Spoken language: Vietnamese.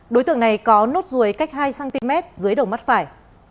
đối tượng này có nốt ruồi cách hai cm dưới đầu mắt phải